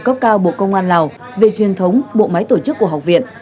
cấp cao bộ công an lào về truyền thống bộ máy tổ chức của học viện